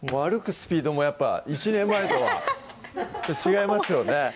スピードもやっぱ１年前とは違いますよね